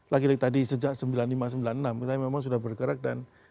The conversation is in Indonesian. lagi tadi sejak sembilan puluh lima sembilan puluh enam saya memang sudah bergerak dan